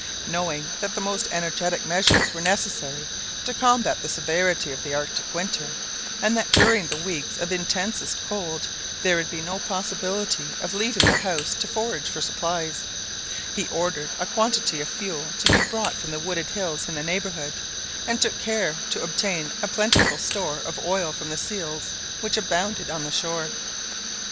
Knowing that the most energetic measures were necessary to combat the severity of the Arctic winter, and that during the weeks of intensest cold there would be no possibility of leaving the house to forage for supplies, he ordered a quantity of fuel to be brought from the wooded hills in the neighbourhood, and took care to obtain a plentiful store of oil from the seals which abounded on the shore.